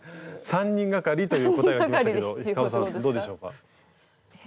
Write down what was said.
３人がかりという答えがきましたけどｈｉｃａｏさんどうでしょうか？